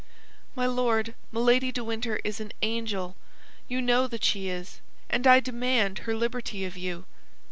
"My Lord, Milady de Winter is an angel; you know that she is, and I demand her liberty of you."